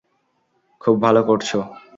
খুব ভালো করছো।